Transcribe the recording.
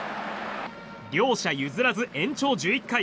両者譲らず、延長１１回。